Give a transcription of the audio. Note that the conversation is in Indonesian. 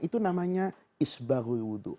itu namanya isbahul wudu